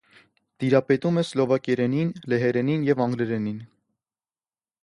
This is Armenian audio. Տիրապետում է սլովակերենին, լեհերենին և անգլերենին։